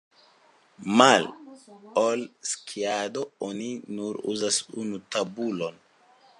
Male ol skiado oni nur uzas unu tabulon.